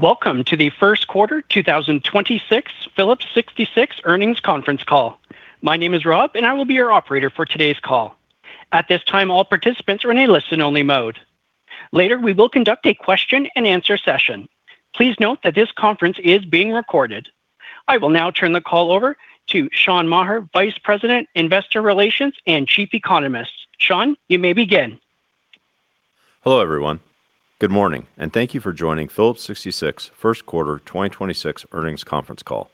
Welcome to the first quarter 2026 Phillips 66 earnings conference call. My name is Rob and I will be your operator for today's call. At this time, all participants are in a listen only mode. Later, we will conduct a question-and-answer session. Please note that this conference is being recorded. I will now turn the call over to Sean Maher, Vice President, Investor Relations and Chief Economist. Sean, you may begin. Hello, everyone. Good morning and thank you for joining Phillips 66 first quarter 2026 earnings conference call.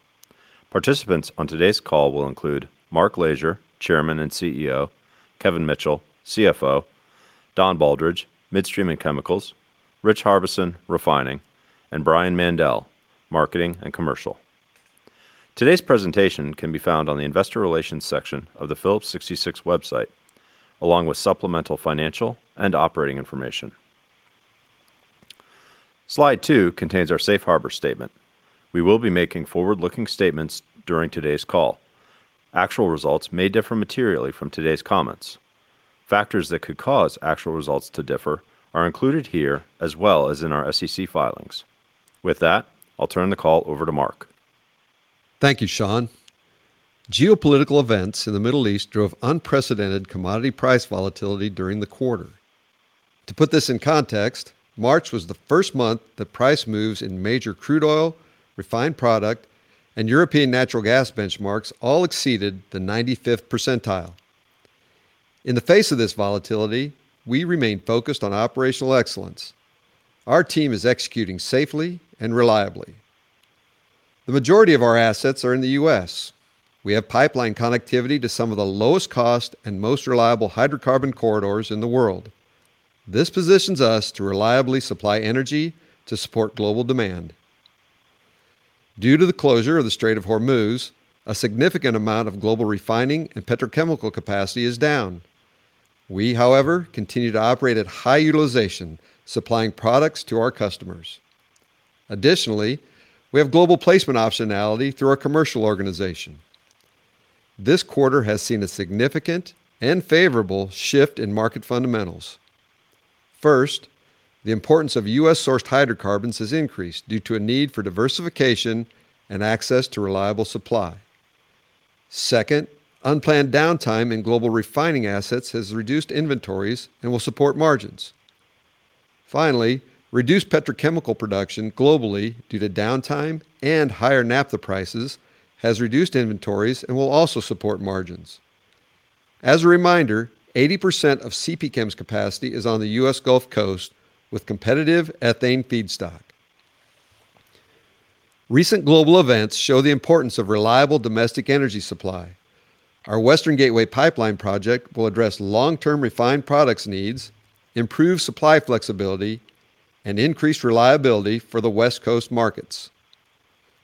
Participants on today's call will include Mark Lashier, Chairman and CEO, Kevin Mitchell, CFO, Don Baldridge, Midstream and Chemicals, Rich Harbison, Refining, and Brian Mandell, Marketing and Commercial. Today's presentation can be found on the investor relations section of the Phillips 66 website, along with supplemental financial and operating information. Slide two contains our safe harbor statement. We will be making forward-looking statements during today's call. Actual results may differ materially from today's comments. Factors that could cause actual results to differ are included here as well as in our SEC filings. With that, I'll turn the call over to Mark. Thank you, Sean. Geopolitical events in the Middle East drove unprecedented commodity price volatility during the quarter. To put this in context, March was the first month that price moves in major crude oil, refined product, and European natural gas benchmarks all exceeded the 95th percentile. In the face of this volatility, we remain focused on operational excellence. Our team is executing safely and reliably. The majority of our assets are in the U.S. We have pipeline connectivity to some of the lowest cost and most reliable hydrocarbon corridors in the world. This positions us to reliably supply energy to support global demand. Due to the closure of the Strait of Hormuz, a significant amount of global refining and petrochemical capacity is down. We, however, continue to operate at high utilization, supplying products to our customers. Additionally, we have global placement optionality through our commercial organization. This quarter has seen a significant and favorable shift in market fundamentals. First, the importance of U.S.-sourced hydrocarbons has increased due to a need for diversification and access to reliable supply. Second, unplanned downtime in global refining assets has reduced inventories and will support margins. Finally, reduced petrochemical production globally due to downtime and higher naphtha prices has reduced inventories and will also support margins. As a reminder, 80% of CPChem's capacity is on the U.S. Gulf Coast with competitive ethane feedstock. Recent global events show the importance of reliable domestic energy supply. Our Western Gateway Pipeline project will address long-term refined products needs, improve supply flexibility, and increase reliability for the West Coast markets.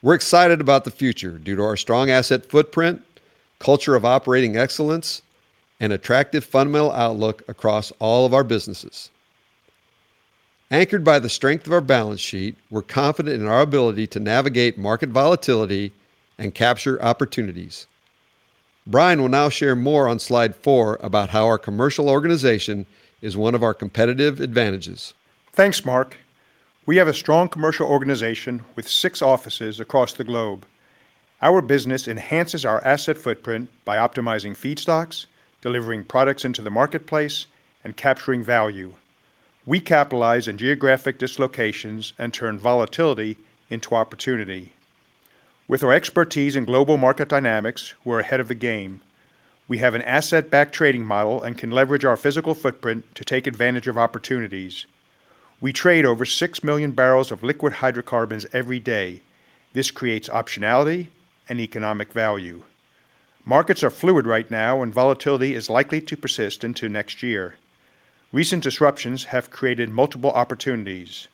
We're excited about the future due to our strong asset footprint, culture of operating excellence, and attractive fundamental outlook across all of our businesses. Anchored by the strength of our balance sheet, we're confident in our ability to navigate market volatility and capture opportunities. Brian will now share more on slide four about how our commercial organization is one of our competitive advantages. Thanks, Mark. We have a strong commercial organization with six offices across the globe. Our business enhances our asset footprint by optimizing feedstocks, delivering products into the marketplace, and capturing value. We capitalize on geographic dislocations and turn volatility into opportunity. With our expertise in global market dynamics, we're ahead of the game. We have an asset-backed trading model and can leverage our physical footprint to take advantage of opportunities. We trade over 6 million bbl of liquid hydrocarbons every day. This creates optionality and economic value. Markets are fluid right now and volatility is likely to persist into next year. Recent disruptions have created multiple opportunities.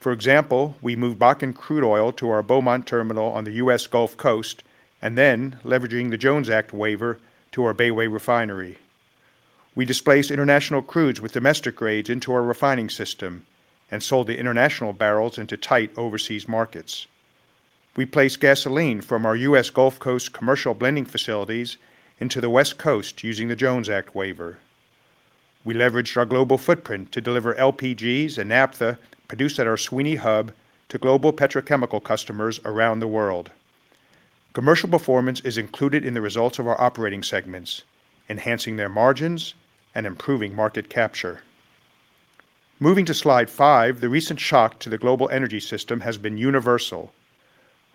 For example, we moved Bakken crude oil to our Beaumont terminal on the U.S. Gulf Coast and then, leveraging the Jones Act waiver, to our Bayway Refinery. We displaced international crudes with domestic grades into our refining system and sold the international barrels into tight overseas markets. We placed gasoline from our U.S. Gulf Coast commercial blending facilities into the West Coast using the Jones Act waiver. We leveraged our global footprint to deliver LPGs and naphtha produced at our Sweeny Hub to global petrochemical customers around the world. Commercial performance is included in the results of our operating segments, enhancing their margins and improving market capture. Moving to slide five, the recent shock to the global energy system has been universal.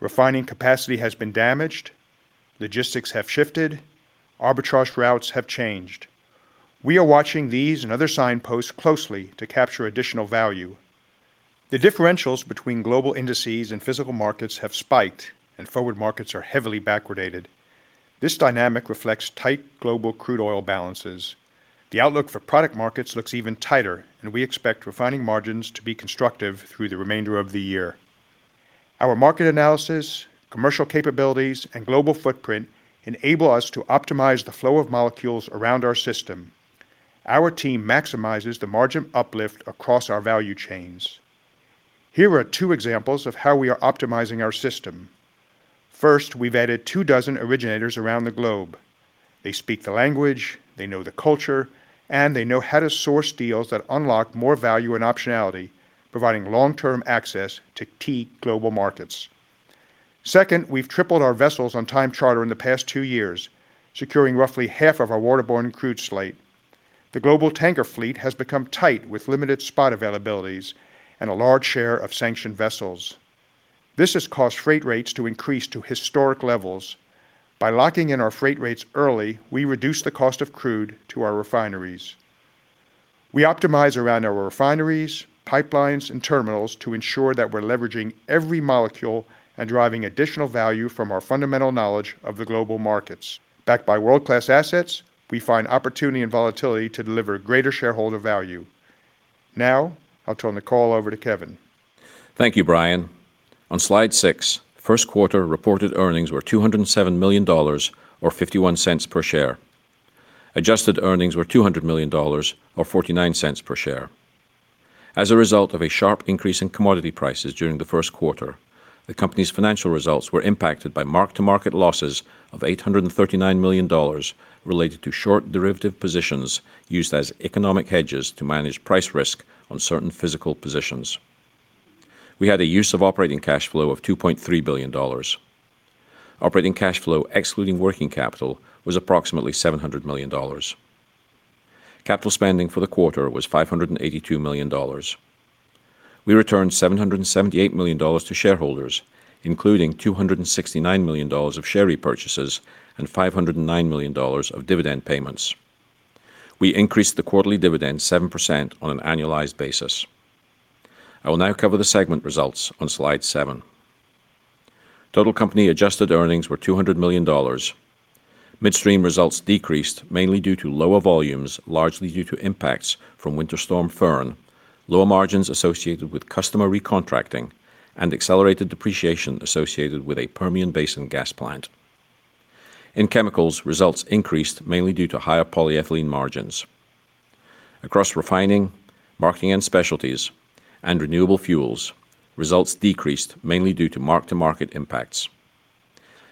Refining capacity has been damaged, logistics have shifted, arbitrage routes have changed. We are watching these and other signposts closely to capture additional value. The differentials between global indices and physical markets have spiked, and forward markets are heavily backwardated. This dynamic reflects tight global crude oil balances. The outlook for product markets looks even tighter, and we expect refining margins to be constructive through the remainder of the year. Our market analysis, commercial capabilities, and global footprint enable us to optimize the flow of molecules around our system. Our team maximizes the margin uplift across our value chains. Here are two examples of how we are optimizing our system. First, we've added two dozen originators around the globe. They speak the language, they know the culture, and they know how to source deals that unlock more value and optionality, providing long-term access to key global markets. Second, we've tripled our vessels on time charter in the past two years, securing roughly half of our waterborne crude slate. The global tanker fleet has become tight with limited spot availabilities and a large share of sanctioned vessels. This has caused freight rates to increase to historic levels. By locking in our freight rates early, we reduce the cost of crude to our refineries. We optimize around our refineries, pipelines, and terminals to ensure that we're leveraging every molecule and driving additional value from our fundamental knowledge of the global markets. Backed by world-class assets, we find opportunity and volatility to deliver greater shareholder value. Now, I'll turn the call over to Kevin. Thank you, Brian. On slide six, first quarter reported earnings were $207 million or $0.51 per share. Adjusted earnings were $200 million or $0.49 per share. As a result of a sharp increase in commodity prices during the first quarter, the company's financial results were impacted by mark-to-market losses of $839 million related to short derivative positions used as economic hedges to manage price risk on certain physical positions. We had a use of operating cash flow of $2.3 billion. Operating cash flow excluding working capital was approximately $700 million. Capital spending for the quarter was $582 million. We returned $778 million to shareholders, including $269 million of share repurchases and $509 million of dividend payments. We increased the quarterly dividend 7% on an annualized basis. I will now cover the segment results on slide seven. Total company adjusted earnings were $200 million. Midstream results decreased mainly due to lower volumes, largely due to impacts from Winter Storm Fern, lower margins associated with customer recontracting, and accelerated depreciation associated with a Permian Basin gas plant. In chemicals, results increased mainly due to higher polyethylene margins. Across refining, marketing and specialties, and renewable fuels, results decreased mainly due to mark-to-market impacts.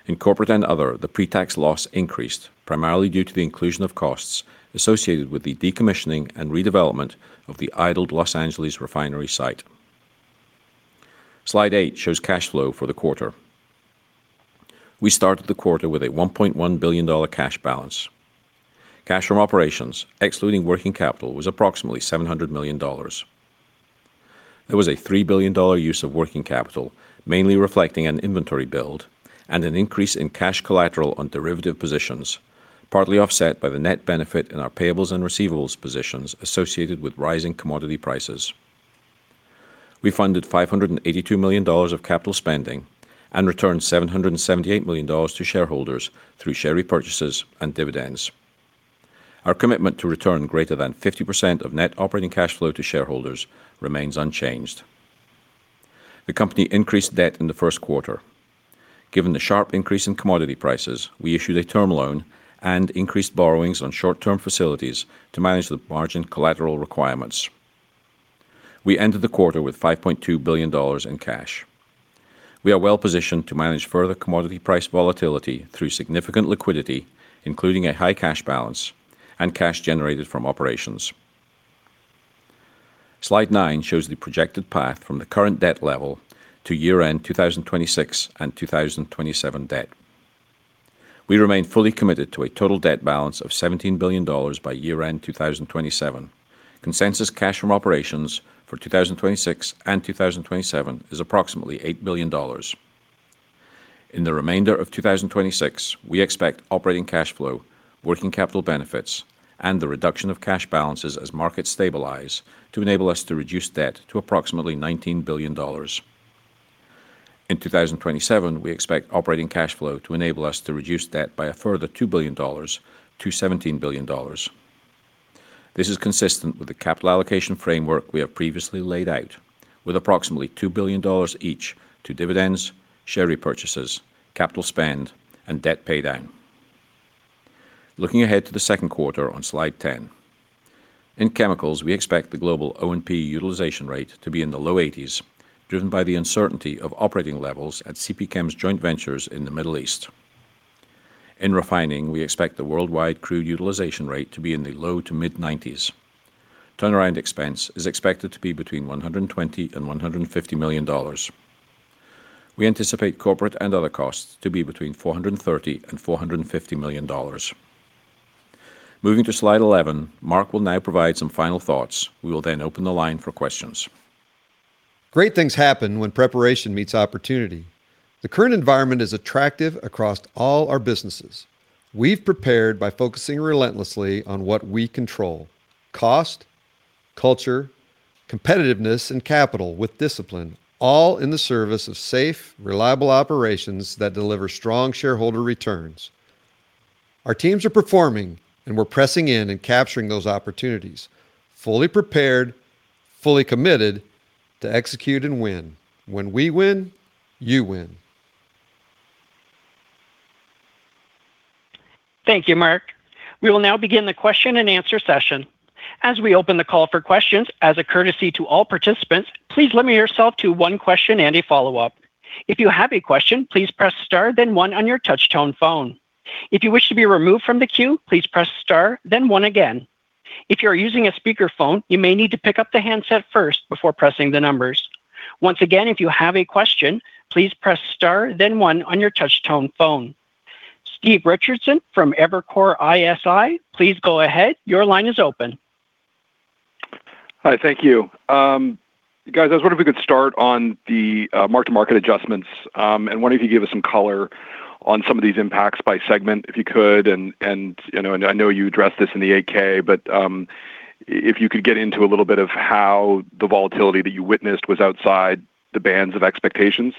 In corporate and other, the pre-tax loss increased, primarily due to the inclusion of costs associated with the decommissioning and redevelopment of the idled Los Angeles refinery site. Slide eight shows cash flow for the quarter. We started the quarter with a $1.1 billion cash balance. Cash from operations, excluding working capital, was approximately $700 million. There was a $3 billion use of working capital, mainly reflecting an inventory build and an increase in cash collateral on derivative positions, partly offset by the net benefit in our payables and receivables positions associated with rising commodity prices. We funded $582 million of capital spending and returned $778 million to shareholders through share repurchases and dividends. Our commitment to return greater than 50% of net operating cash flow to shareholders remains unchanged. The company increased debt in the first quarter. Given the sharp increase in commodity prices, we issued a term loan and increased borrowings on short-term facilities to manage the margin collateral requirements. We ended the quarter with $5.2 billion in cash. We are well-positioned to manage further commodity price volatility through significant liquidity, including a high cash balance and cash generated from operations. Slide nine shows the projected path from the current debt level to year-end 2026 and 2027 debt. We remain fully committed to a total debt balance of $17 billion by year-end 2027. Consensus cash from operations for 2026 and 2027 is approximately $8 billion. In the remainder of 2026, we expect operating cash flow, working capital benefits, and the reduction of cash balances as markets stabilize to enable us to reduce debt to approximately $19 billion. In 2027, we expect operating cash flow to enable us to reduce debt by a further $2 billion to $17 billion. This is consistent with the capital allocation framework we have previously laid out, with approximately $2 billion each to dividends, share repurchases, capital spend, and debt paydown. Looking ahead to the second quarter on slide 10. In chemicals, we expect the global O&P utilization rate to be in the low 80s, driven by the uncertainty of operating levels at CPChem's joint ventures in the Middle East. In refining, we expect the worldwide crude utilization rate to be in the low to mid-90s. Turnaround expense is expected to be between $120 million and $150 million. We anticipate corporate and other costs to be between $430 million and $450 million. Moving to slide 11, Mark will now provide some final thoughts. We will then open the line for questions. Great things happen when preparation meets opportunity. The current environment is attractive across all our businesses. We've prepared by focusing relentlessly on what we control: cost, culture, competitiveness, and capital with discipline, all in the service of safe, reliable operations that deliver strong shareholder returns. Our teams are performing, and we're pressing in and capturing those opportunities, fully prepared, fully committed to execute and win. When we win, you win. Thank you, Mark. We will now begin the question-and-answer session. As we open the call for questions, as a courtesy to all participants, please limit yourself to one question and a follow-up. If you have a question, please press star then one on your touch-tone phone. If you wish to withdraw from the queue, please press star then one again. If you're using a speaker phone, you may need to pick up the handset first before pressing the numbers. Once again, if you have a question, please press star one then one on your touch-tone phone. Steve Richardson from Evercore ISI, please go ahead. Your line is open. Hi. Thank you. Guys, I was wonder if we could start on the mark-to-market adjustments, and wonder if you could give us some color on some of these impacts by segment, if you could. You know, I know you addressed this in the 8-K, if you could get into a little bit of how the volatility that you witnessed was outside the bands of expectations.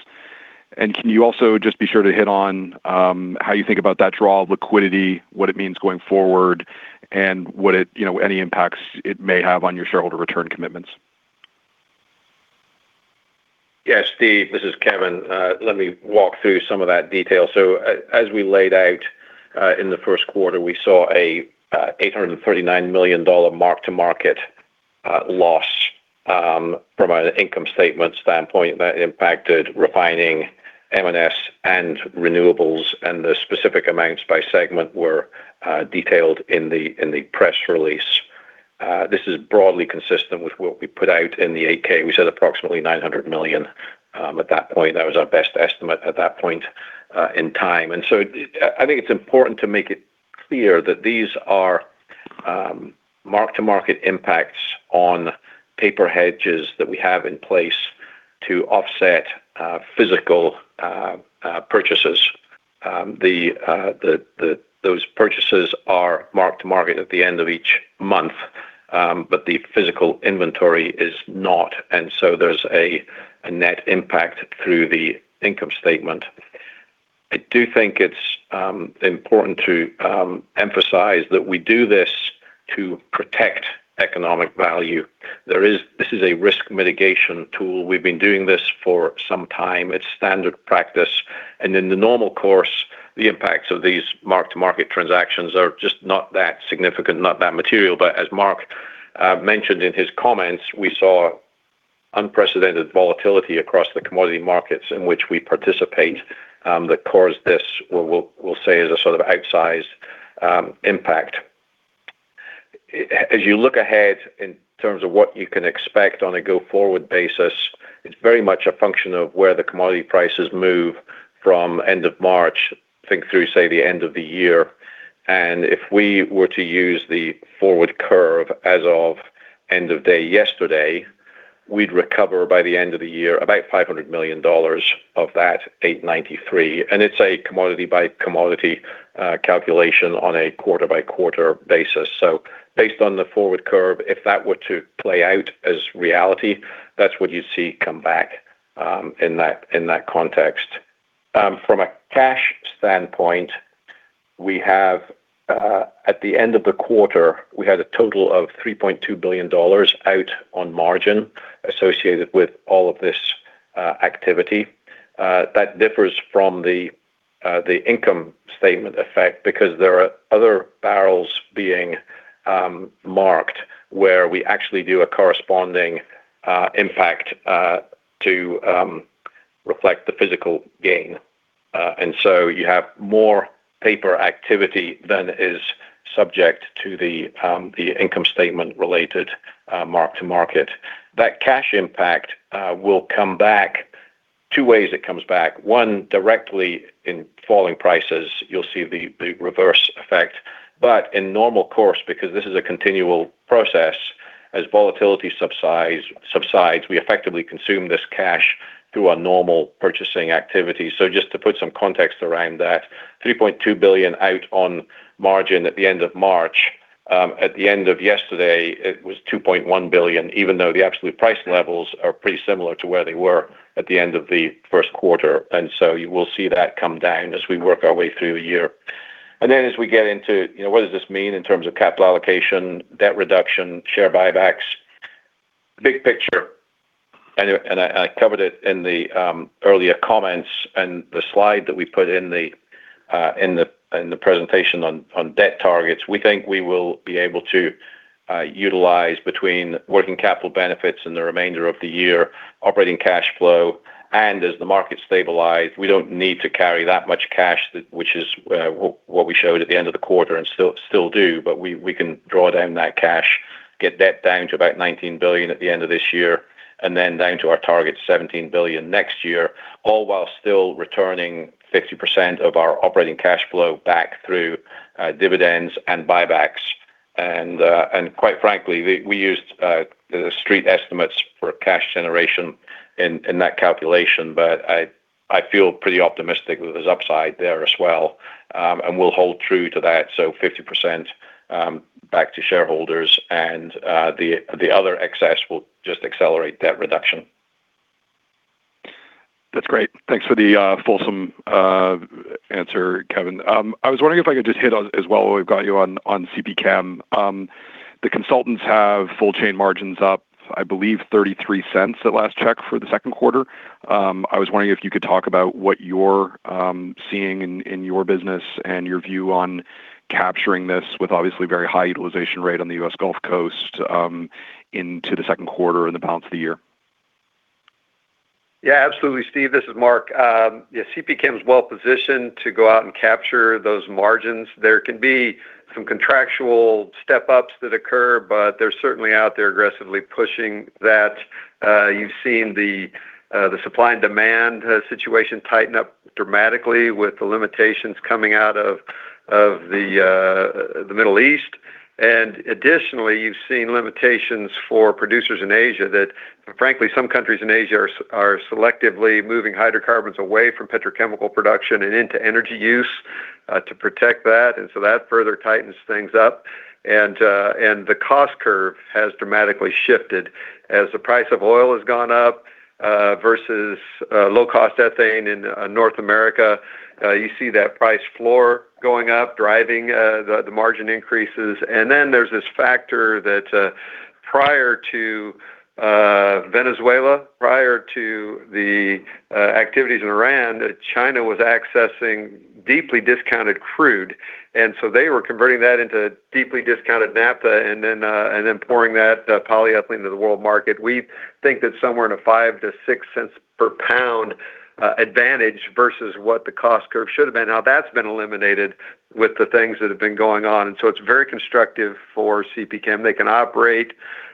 Can you also just be sure to hit on how you think about that draw of liquidity, what it means going forward, and what it, you know, any impacts it may have on your shareholder return commitments? Yeah, Steve, this is Kevin. Let me walk through some of that detail. As we laid out, in the first quarter, we saw a $839 million mark-to-market loss from an income statement standpoint that impacted refining, M&S, and renewables, and the specific amounts by segment were detailed in the press release. This is broadly consistent with what we put out in the 8-K. We said approximately $900 million at that point. That was our best estimate at that point in time. I think it's important to make it clear that these are mark-to-market impacts on paper hedges that we have in place to offset physical purchases. Those purchases are mark-to-market at the end of each month, but the physical inventory is not, and so there's a net impact through the income statement. I do think it's important to emphasize that we do this to protect economic value. This is a risk mitigation tool. We've been doing this for some time. It's standard practice. In the normal course, the impacts of these mark-to-market transactions are just not that significant, not that material. As Mark mentioned in his comments, we saw unprecedented volatility across the commodity markets in which we participate, that caused this, what we'll say, is a sort of outsized impact. As you look ahead in terms of what you can expect on a go-forward basis, it's very much a function of where the commodity prices move from end of March, think through, say, the end of the year. If we were to use the forward curve as of end of day yesterday, we'd recover by the end of the year about $500 million of that $893 million. It's a commodity-by-commodity calculation on a quarter-by-quarter basis. Based on the forward curve, if that were to play out as reality, that's what you'd see come back in that, in that context. From a cash standpoint, we have, at the end of the quarter, we had a total of $3.2 billion out on margin associated with all of this activity. That differs from the income statement effect because there are other barrels being marked where we actually do a corresponding impact to reflect the physical gain. You have more paper activity than is subject to the income statement related mark-to-market. That cash impact will come back. Two ways it comes back. One, directly in falling prices, you'll see the reverse effect. In normal course, because this is a continual process, as volatility subsides, we effectively consume this cash through our normal purchasing activity. Just to put some context around that, $3.2 billion out on margin at the end of March. At the end of yesterday, it was $2.1 billion, even though the absolute price levels are pretty similar to where they were at the end of the first quarter. You will see that come down as we work our way through the year. Then as we get into, you know, what does this mean in terms of capital allocation, debt reduction, share buybacks? Big picture, and I covered it in the earlier comments and the slide that we put in the presentation on debt targets. We think we will be able to utilize between working capital benefits and the remainder of the year operating cash flow. As the market stabilize, we don't need to carry that much cash, which is what we showed at the end of the quarter and still do, but we can draw down that cash, get debt down to about $19 billion at the end of this year, and then down to our target $17 billion next year, all while still returning 50% of our operating cash flow back through dividends and buybacks. Quite frankly, we used the Street estimates for cash generation in that calculation. I feel pretty optimistic that there's upside there as well. We'll hold true to that, so 50% back to shareholders and the other excess will just accelerate debt reduction. That's great. Thanks for the fulsome answer, Kevin. I was wondering if I could just hit on as well while we've got you on CPChem. The consultants have full chain margins up, I believe $0.33 at last check for the second quarter. I was wondering if you could talk about what you're seeing in your business and your view on capturing this with obviously very high utilization rate on the U.S. Gulf Coast into the second quarter and the balance of the year. Absolutely, Steve. This is Mark. CPChem's well-positioned to go out and capture those margins. There can be some contractual step-ups that occur, but they're certainly out there aggressively pushing that. You've seen the supply and demand situation tighten up dramatically with the limitations coming out of the Middle East. Additionally, you've seen limitations for producers in Asia that frankly, some countries in Asia are selectively moving hydrocarbons away from petrochemical production and into energy use to protect that. That further tightens things up. The cost curve has dramatically shifted as the price of oil has gone up versus low-cost ethane in North America. You see that price floor going up, driving the margin increases. There's this factor that, prior to Venezuela, prior to the activities in Iran, China was accessing deeply discounted crude. They were converting that into deeply discounted naphtha and then pouring that polyethylene into the world market. We think that somewhere in a $0.05/lb-$0.06/lb advantage versus what the cost curve should have been. Now that's been eliminated with the things that have been going on. It's very constructive for CPChem. They can operate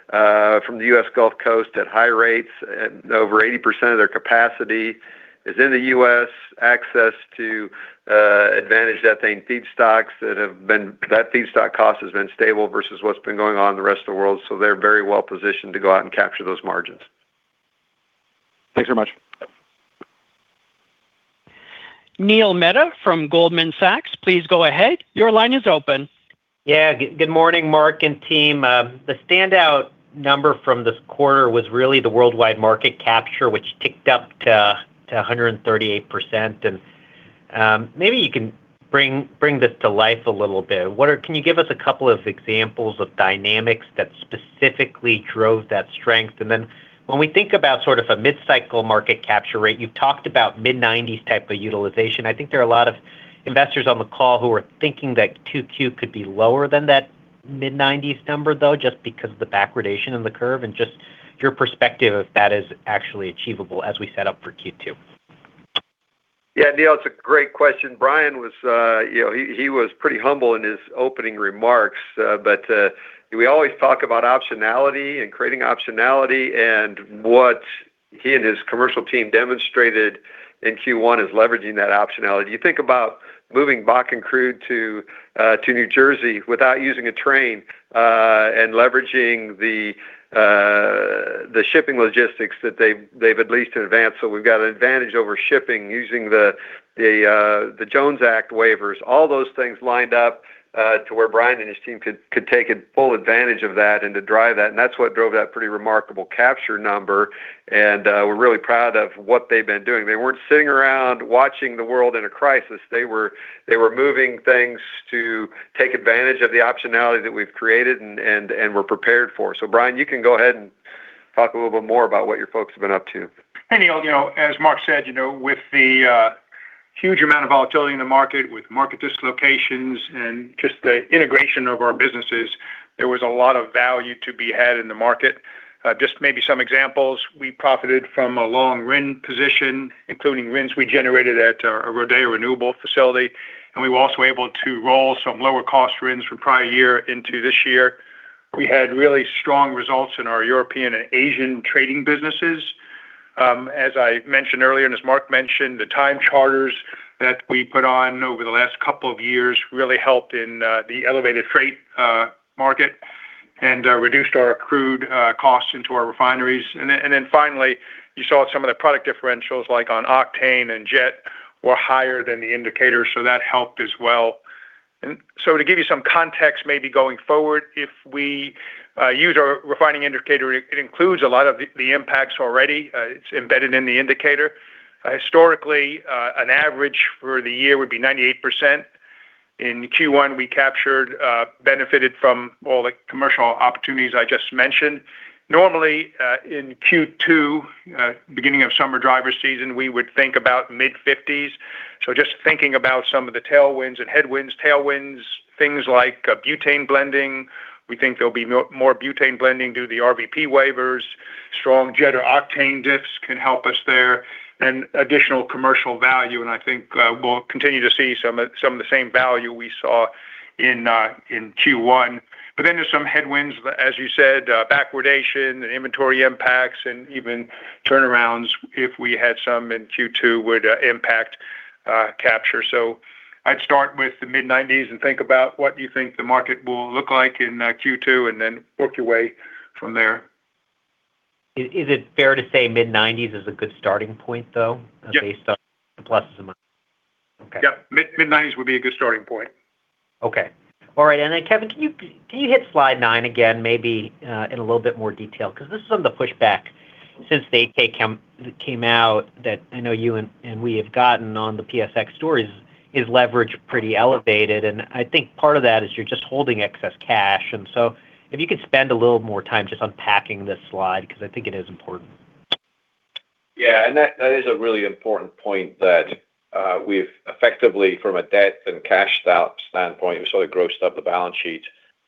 from the U.S. Gulf Coast at high rates. Over 80% of their capacity is in the U.S. access to advantage ethane feedstocks. That feedstock cost has been stable versus what's been going on in the rest of the world. They're very well positioned to go out and capture those margins. Thanks very much. Neil Mehta from Goldman Sachs, please go ahead. Your line is open. Yeah. Good morning, Mark and team. The standout number from this quarter was really the worldwide market capture, which ticked up to 138%. Maybe you can bring this to life a little bit. Can you give us a couple of examples of dynamics that specifically drove that strength? When we think about sort of a mid-cycle market capture rate, you've talked about mid-90s type of utilization. I think there are a lot of investors on the call who are thinking that 2Q could be lower than that mid-90s number, though, just because of the backwardation in the curve and just your perspective if that is actually achievable as we set up for Q2. Yeah. Neil, it's a great question. Brian was, you know, he was pretty humble in his opening remarks. We always talk about optionality and creating optionality. What he and his commercial team demonstrated in Q1 is leveraging that optionality. You think about moving Bakken crude to New Jersey without using a train and leveraging the shipping logistics that they've at least advanced. We've got an advantage over shipping using the Jones Act waivers. All those things lined up to where Brian and his team could take full advantage of that and to drive that, and that's what drove that pretty remarkable capture number. We're really proud of what they've been doing. They weren't sitting around watching the world in a crisis. They were moving things to take advantage of the optionality that we've created and were prepared for. Brian, you can go ahead and talk a little bit more about what your folks have been up to. Hey, Neil. You know, as Mark said, you know, with the huge amount of volatility in the market, with market dislocations and just the integration of our businesses, there was a lot of value to be had in the market. Just maybe some examples. We profited from a long RIN position, including RINs we generated at our Rodeo Renewable facility, and we were also able to roll some lower cost RINs from prior year into this year. We had really strong results in our European and Asian trading businesses. As I mentioned earlier, and as Mark mentioned, the time charters that we put on over the last couple of years really helped in the elevated freight market and reduced our crude costs into our refineries. Finally, you saw some of the product differentials, like on octane and jet, were higher than the indicators, so that helped as well. To give you some context, maybe going forward, if we use our refining indicator, it includes a lot of the impacts already. It's embedded in the indicator. Historically, an average for the year would be 98%. In Q1, we captured, benefited from all the commercial opportunities I just mentioned. Normally, in Q2, beginning of summer driver season, we would think about mid-50s. Just thinking about some of the tailwinds and headwinds. Tailwinds, things like butane blending. We think there'll be more butane blending due to the RVP waivers. Strong jet or octane diffs can help us there and additional commercial value, and I think, we'll continue to see some of the same value we saw in Q1. There's some headwinds, as you said, backwardation and inventory impacts and even turnarounds, if we had some in Q2, would impact capture. I'd start with the mid-90s and think about what you think the market will look like in Q2 and then work your way from there. Is it fair to say mid-90s is a good starting point, though? Yeah. Based on the pluses and minus? Okay. Yeah. Mid-90s would be a good starting point. Okay. All right. Kevin, can you hit slide nine again maybe in a little bit more detail? 'Cause this is on the pushback. Since they came out that I know you and we have gotten on the PSX stories is leverage pretty elevated. I think part of that is you're just holding excess cash. If you could spend a little more time just unpacking this slide because I think it is important. Yeah. That, that is a really important point that we've effectively from a debt and cash standpoint, we sort of grossed up the balance sheet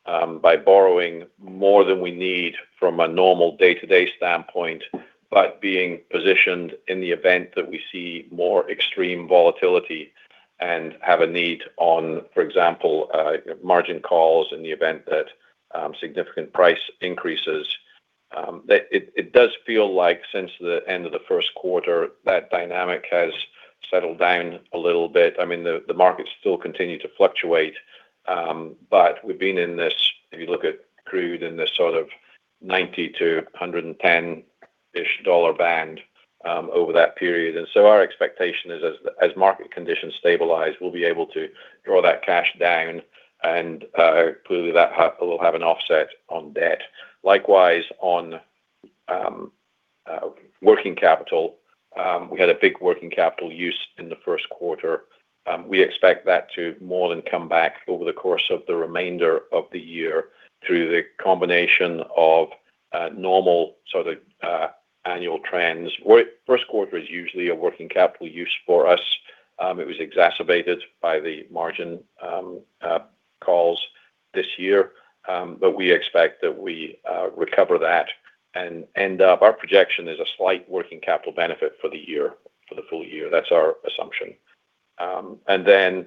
by borrowing more than we need from a normal day-to-day standpoint, but being positioned in the event that we see more extreme volatility and have a need on, for example, margin calls in the event that significant price increases. That, it does feel like since the end of the first quarter, that dynamic has settled down a little bit. I mean, the markets still continue to fluctuate, but we've been in this, if you look at crude in this sort of $90-$110-ish band over that period. Our expectation is, as market conditions stabilize, we'll be able to draw that cash down and clearly, that will have an offset on debt. Likewise, on working capital, we had a big working capital use in the first quarter. We expect that to more than come back over the course of the remainder of the year through the combination of normal sort of annual trends. First quarter is usually a working capital use for us. It was exacerbated by the margin calls this year, but we expect that we recover that and end up our projection is a slight working capital benefit for the year, for the full year. That's our assumption. Then,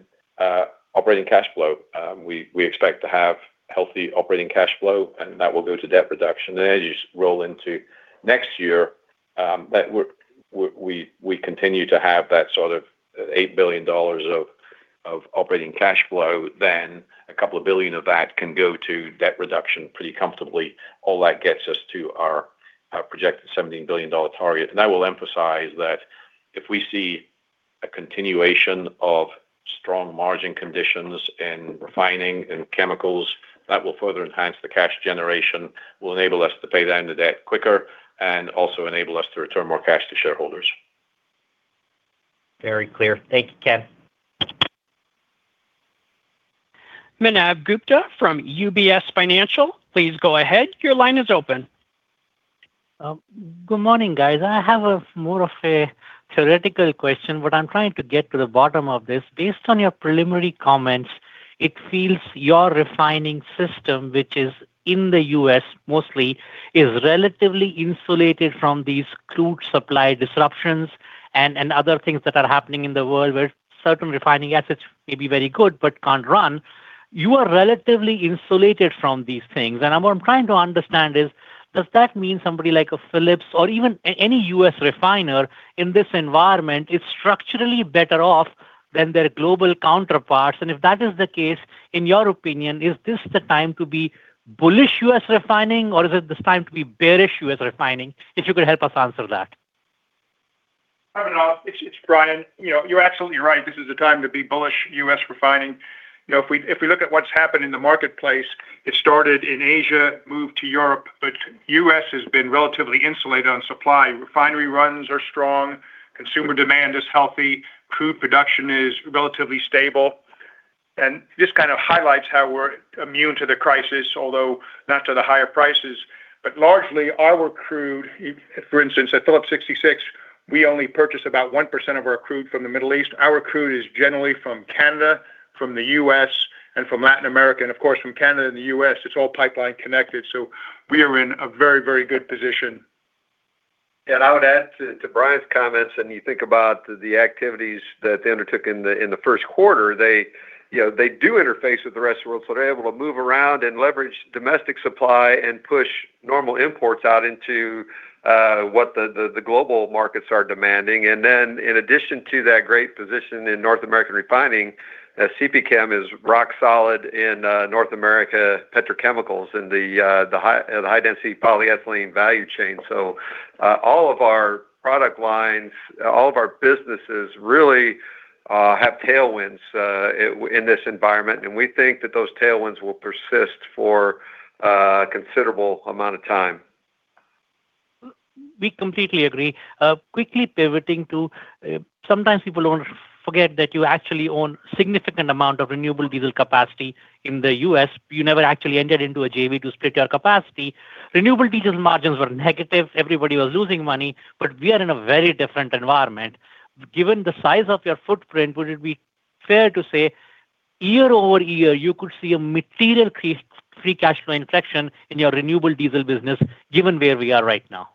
operating cash flow, we expect to have healthy operating cash flow, and that will go to debt reduction. As you roll into next year, that we continue to have that sort of $8 billion of operating cash flow, then, a couple billion of that can go to debt reduction pretty comfortably. All that gets us to our projected $17 billion target. I will emphasize that if we see a continuation of strong margin conditions in refining and chemicals, that will further enhance the cash generation, will enable us to pay down the debt quicker, and also enable us to return more cash to shareholders. Very clear. Thank you, Kev. Manav Gupta from UBS Financial, please go ahead. Your line is open. Good morning, guys. I have a more of a theoretical question, but I'm trying to get to the bottom of this. Based on your preliminary comments, it feels your refining system, which is in the U.S. mostly, is relatively insulated from these crude supply disruptions and other things that are happening in the world where certain refining assets may be very good but can't run. You are relatively insulated from these things. What I'm trying to understand is, does that mean somebody like a Phillips or even any U.S. refiner in this environment is structurally better off than their global counterparts? If that is the case, in your opinion, is this the time to be bullish U.S. refining or is it this time to be bearish U.S. refining? If you could help us answer that. Manav, it's Brian. You know, you're absolutely right. This is the time to be bullish U.S. refining. You know, if we look at what's happened in the marketplace, it started in Asia, moved to Europe, but U.S. has been relatively insulated on supply. Refinery runs are strong, consumer demand is healthy, crude production is relatively stable. This kind of highlights how we're immune to the crisis, although not to the higher prices. Largely, our crude, for instance, at Phillips 66, we only purchase about 1% of our crude from the Middle East. Our crude is generally from Canada, from the U.S., and from Latin America. Of course, from Canada and the U.S., it's all pipeline connected. We are in a very, very good position. I would add to Brian's comments, and you think about the activities that they undertook in the first quarter. They, you know, they do interface with the rest of the world, so they're able to move around and leverage domestic supply and push normal imports out into what the global markets are demanding. Then in addition to that great position in North American refining, CPChem is rock solid in North America petrochemicals in the high-density polyethylene value chain. All of our product lines, all of our businesses really have tailwinds in this environment. We think that those tailwinds will persist for a considerable amount of time. We completely agree. Quickly pivoting to, sometimes people don't forget that you actually own significant amount of renewable diesel capacity in the U.S. You never actually entered into a JV to split your capacity. Renewable diesel margins were negative. Everybody was losing money. We are in a very different environment. Given the size of your footprint, would it be fair to say year-over-year, you could see a material free cash flow inflection in your renewable diesel business given where we are right now?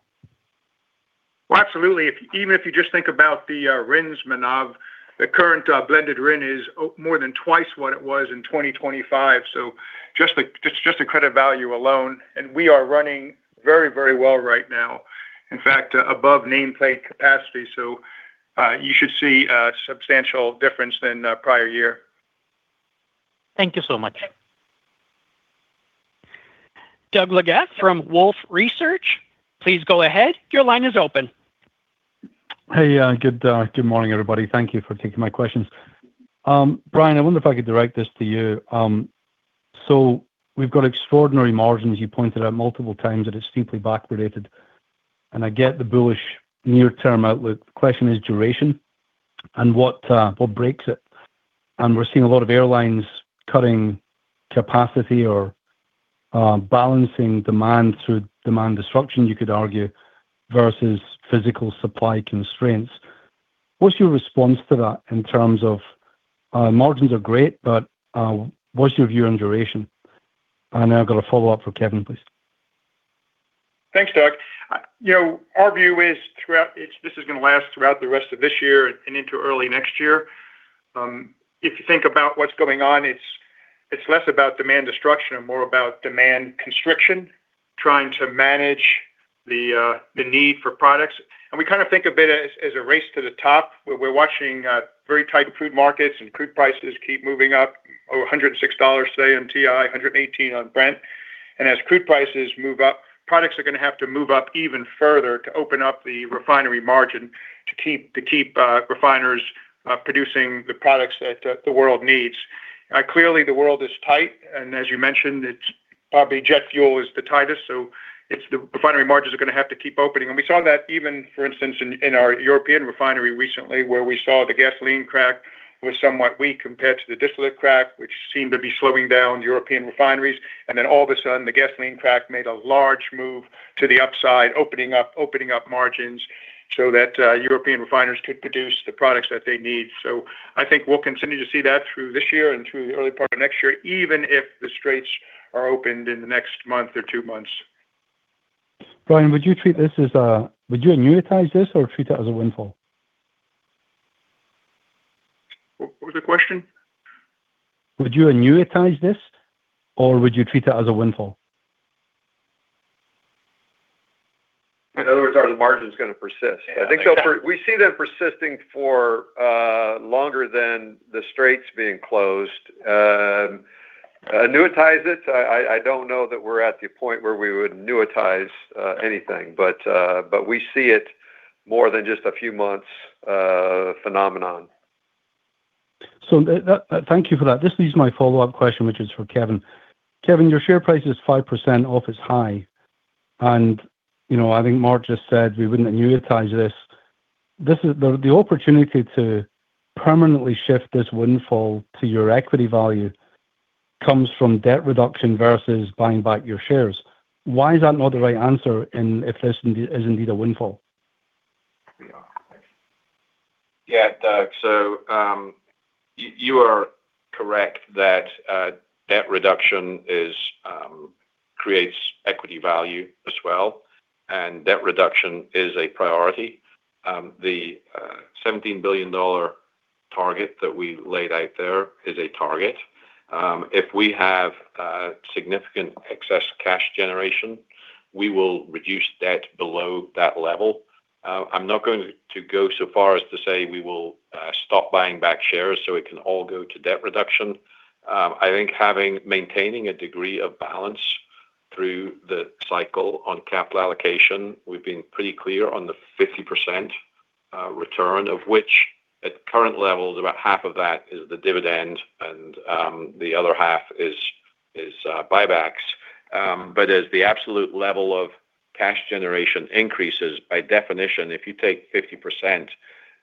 Well, absolutely. Even if you just think about the RINs, Manav, the current blended RIN is more than twice what it was in 2025. Just the credit value alone. We are running very, very well right now, in fact, above nameplate capacity. You should see a substantial difference than the prior year. Thank you so much. Doug Leggate from Wolfe Research, please go ahead. Your line is open. Hey, good morning, everybody. Thank you for taking my questions. Brian, I wonder if I could direct this to you. We've got extraordinary margins you pointed out multiple times that it's steeply back related, and I get the bullish near-term outlook. The question is duration and what breaks it? We're seeing a lot of airlines cutting capacity or balancing demand through demand destruction, you could argue, versus physical supply constraints. What's your response to that in terms of margins are great, but what's your view on duration? And I got a follow-up for Kevin, please. Thanks, Doug. You know, our view is this is gonna last throughout the rest of this year and into early next year. If you think about what's going on, it's less about demand destruction and more about demand constriction, trying to manage the need for products. We kind of think of it as a race to the top, where we're watching very tight crude markets and crude prices keep moving up over $106 today on WTI, $118 on Brent. As crude prices move up, products are gonna have to move up even further to open up the refinery margin to keep refiners producing the products that the world needs. Clearly, the world is tight, and as you mentioned, it's probably jet fuel is the tightest, it's the refinery margins are gonna have to keep opening. We saw that even, for instance, in our European refinery recently where we saw the gasoline crack was somewhat weak compared to the distillate crack, which seemed to be slowing down European refineries. Then all of a sudden, the gasoline crack made a large move to the upside, opening up margins so that European refiners could produce the products that they need. I think we'll continue to see that through this year and through the early part of next year, even if the straits are opened in the next month or two months. Brian, would you treat this as a, would you annuitize this or treat it as a windfall? What was the question? Would you annuitize this, or would you treat it as a windfall? In other words, are the margins gonna persist? Yeah. I think so. We see them persisting for longer than the straits being closed. Annuitize it, I don't know that we're at the point where we would annuitize anything. We see it more than just a few months phenomenon. Thank you for that. This leads my follow-up question, which is for Kevin. Kevin, your share price is 5% off, its high, and, you know, I think Mark just said we wouldn't annuitize this. This is the opportunity to permanently shift this windfall to your equity value comes from debt reduction versus buying back your shares. Why is that not the right answer if this is indeed a windfall? Yeah, Doug. So, you are correct that debt reduction creates equity value as well, and debt reduction is a priority. The $17 billion target that we laid out there is a target. If we have significant excess cash generation, we will reduce debt below that level. I'm not going to go so far as to say we will stop buying back shares, so it can all go to debt reduction. I think having, maintaining a degree of balance through the cycle on capital allocation, we've been pretty clear on the 50% return of which at current levels, about half of that is the dividend and the other half is buybacks. As the absolute level of cash generation increases, by definition, if you take 50%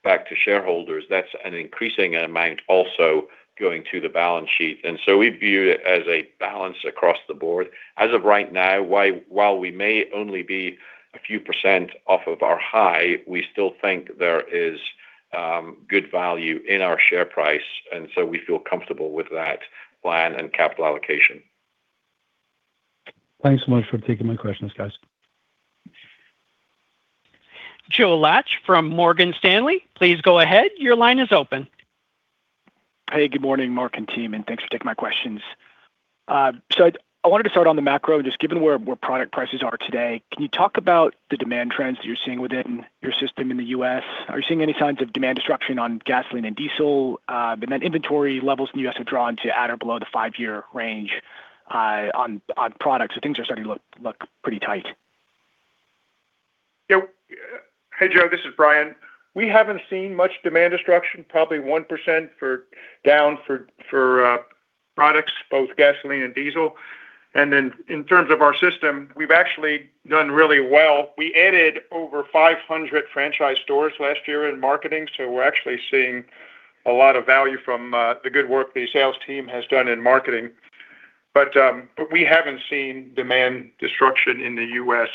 back to shareholders, that's an increasing amount also going to the balance sheet. We view it as a balance across the board. As of right now, while we may only be a few percent off of our high, we still think there is good value in our share price, we feel comfortable with that plan and capital allocation. Thanks so much for taking my questions, guys. Joe Laetsch from Morgan Stanley, please go ahead. Your line is open. Hey, good morning, Mark and team, and thanks for taking my questions. I wanted to start on the macro, just given where product prices are today. Can you talk about the demand trends that you're seeing within your system in the U.S.? Are you seeing any signs of demand destruction on gasoline and diesel? Inventory levels in the U.S. have drawn to at or below the five-year range on products. Things are starting to look pretty tight. Hey, Joe, this is Brian. We haven't seen much demand destruction, probably 1% down for products, both gasoline and diesel. In terms of our system, we've actually done really well. We added over 500 franchise stores last year in marketing, we're actually seeing a lot of value from the good work the sales team has done in marketing. We haven't seen demand destruction in the U.S.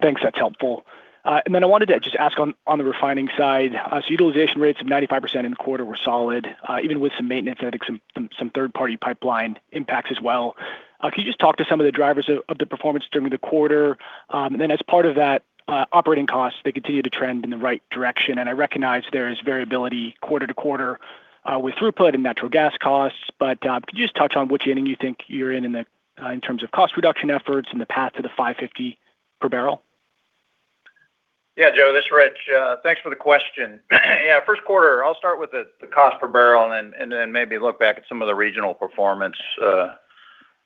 Thanks. That's helpful. I wanted to just ask on the refining side. Utilization rates of 95% in the quarter were solid, even with some maintenance, I think some third-party pipeline impacts as well. Can you just talk to some of the drivers of the performance during the quarter? As part of that, operating costs, they continue to trend in the right direction. I recognize there is variability quarter-to-quarter with throughput and natural gas costs. Could you just touch on which inning you think you're in in terms of cost reduction efforts and the path to the $5.50/bbl? Joe, this is Rich. Thanks for the question. First quarter, I'll start with the cost per barrel and then maybe look back at some of the regional performance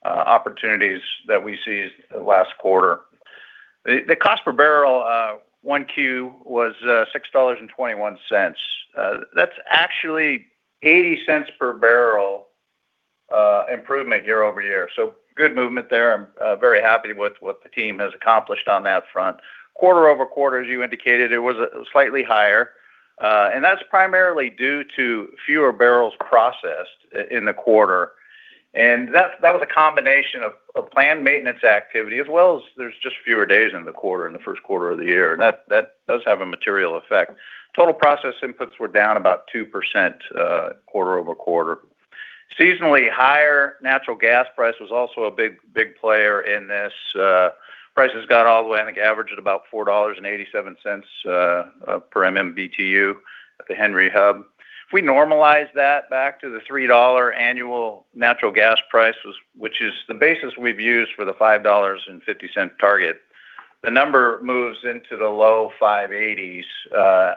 opportunities that we see last quarter. The cost per barrel 1Q was $6.21. That's actually $0.80/bbl improvement year-over-year. Good movement there. I'm very happy with what the team has accomplished on that front. Quarter-over-quarter, as you indicated, it was slightly higher. That's primarily due to fewer barrels processed in the quarter. That was a combination of planned maintenance activity as well as there's just fewer days in the quarter, in the first quarter of the year, and that does have a material effect. Total process inputs were down about 2% quarter-over-quarter. Seasonally higher natural gas price was also a big player in this. Prices got all the way, I think, averaged at about $4.87/MMBtu at the Henry Hub. If we normalize that back to the $3 annual natural gas prices, which is the basis we've used for the $5.50 target, the number moves into the low $5.80s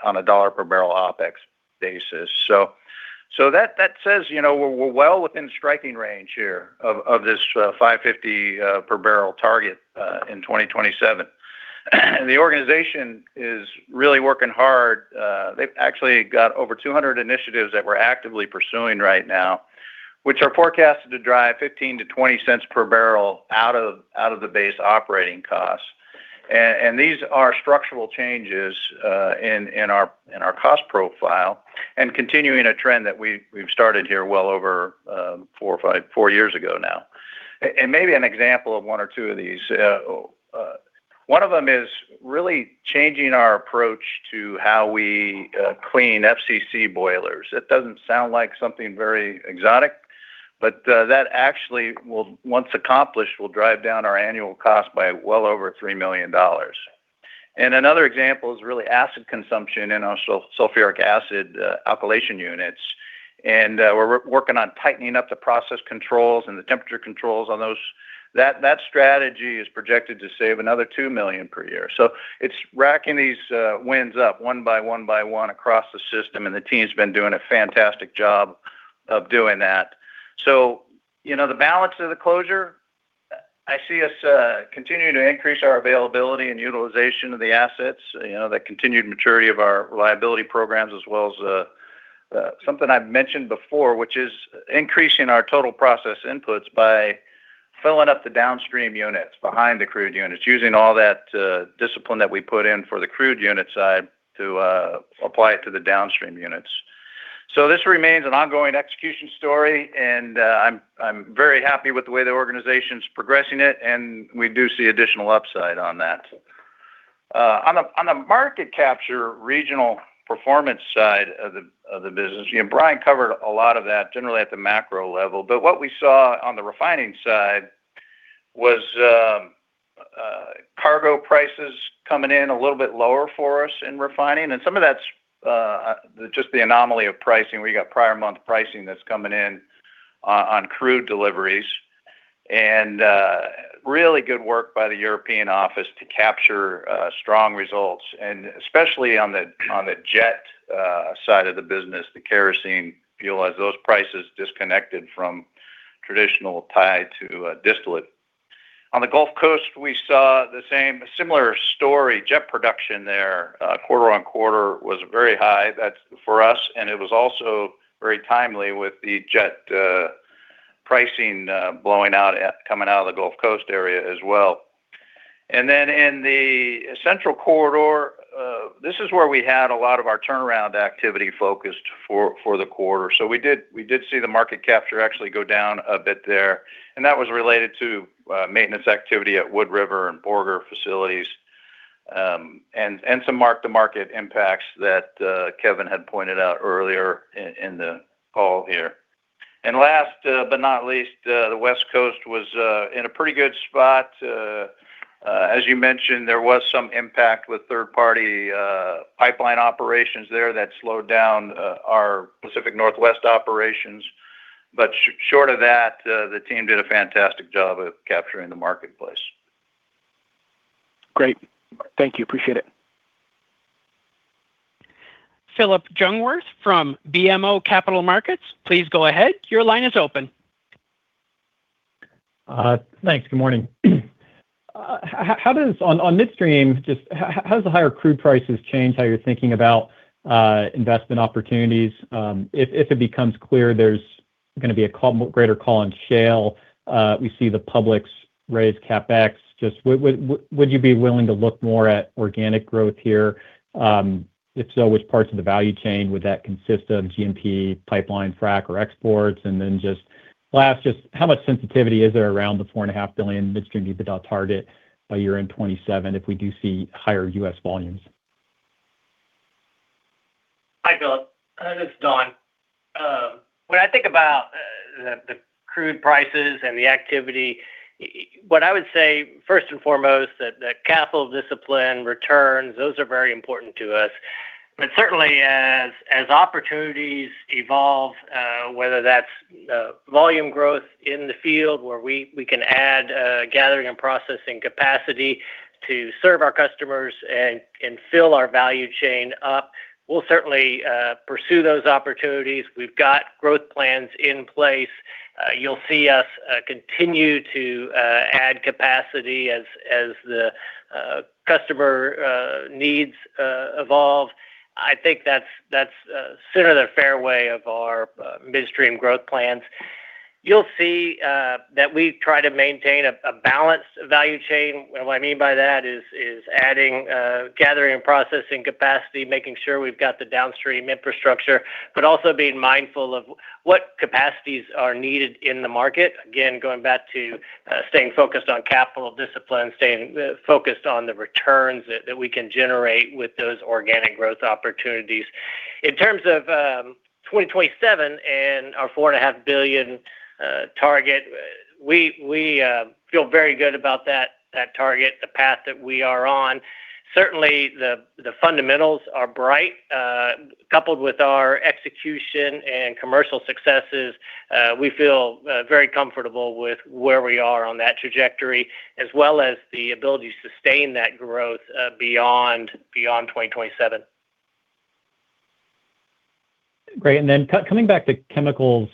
on a $1/bbl OPEX basis. That says, you know, we're well within striking range here of this $5.50/bbl target in 2027. The organization is really working hard. They've actually got over 200 initiatives that we're actively pursuing right now, which are forecasted to drive $0.15/bbl-$0.20/bbl out of the base operating costs. These are structural changes in our cost profile and continuing a trend that we've started here well over four or five years ago now. Maybe an example of one or two of these. One of them is really changing our approach to how we clean FCC boilers. It doesn't sound like something very exotic, but that actually, once accomplished, will drive down our annual cost by well over $3 million. Another example is really acid consumption in our sulfuric acid alkylation units. We're working on tightening up the process controls and the temperature controls on those. That strategy is projected to save another $2 million per year It's racking these wins up one by one by one across the system, and the team's been doing a fantastic job of doing that. You know, the balance of the closure, I see us continuing to increase our availability and utilization of the assets, you know, the continued maturity of our liability programs, as well as something I've mentioned before, which is increasing our total process inputs by filling up the downstream units behind the crude units, using all that discipline that we put in for the crude unit side to apply it to the downstream units. This remains an ongoing execution story, and I'm very happy with the way the organization's progressing it, and we do see additional upside on that. On a market capture regional performance side of the business, you know, Brian covered a lot of that generally at the macro level, what we saw on the refining side was cargo prices coming in a little bit lower for us in refining, and some of that's just the anomaly of pricing. We got prior month pricing that's coming in on crude deliveries. Really good work by the European office to capture strong results, especially on the jet side of the business, the kerosene fuel, as those prices disconnected from traditional tie to distillate. On the Gulf Coast, we saw the same similar story. Jet production there, quarter-on-quarter was very high. That's for us, it was also very timely with the jet pricing blowing out coming out of the Gulf Coast area as well. In the Central Corridor, this is where we had a lot of our turnaround activity focused for the quarter. We did see the market capture actually go down a bit there, and that was related to maintenance activity at Wood River and Borger facilities, and some mark-to-market impacts that Kevin had pointed out earlier in the call here. Last but not least, the West Coast was in a pretty good spot. As you mentioned, there was some impact with third-party pipeline operations there that slowed down our Pacific Northwest operations. Short of that, the team did a fantastic job of capturing the marketplace. Great. Thank you. Appreciate it. Phillip Jungwirth from BMO Capital Markets, please go ahead. Your line is open. Thanks. Good morning. On midstream, just how does the higher crude prices change how you are thinking about investment opportunities? If it becomes clear, there's gonna be a greater call on shale, we see the public's raise CapEx. Would you be willing to look more at organic growth here? If so, which parts of the value chain would that consist of, G&P, pipeline, frack, or exports? Just last, how much sensitivity is there around the $4.5 billion midstream EBITDA target by year-end 2027 if we do see higher U.S. volumes? Hi, Phillip. This is Don. When I think about the crude prices and the activity, what I would say, first and foremost, that the capital discipline returns, those are very important to us. Certainly, as opportunities evolve, whether that's volume growth in the field where we can add gathering and processing capacity to serve our customers and fill our value chain up, we'll certainly pursue those opportunities. We've got growth plans in place. You'll see us continue to add capacity as the customer needs evolve. I think that's center of the fairway of our midstream growth plans. You'll see that we try to maintain a balanced value chain. What I mean by that is adding gathering and processing capacity, making sure we've got the downstream infrastructure, but also being mindful of what capacities are needed in the market. Again, going back to staying focused on capital discipline, staying focused on the returns that we can generate with those organic growth opportunities. In terms of 2027 and our $4.5 billion target, we feel very good about that target, the path that we are on. Certainly the fundamentals are bright. Coupled with our execution and commercial successes, we feel very comfortable with where we are on that trajectory as well as the ability to sustain that growth beyond 2027. Great. Then coming back to chemicals,